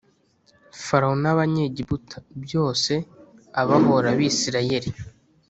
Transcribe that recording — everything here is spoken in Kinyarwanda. Farawo n abanyegiputa byose abahora abisirayeli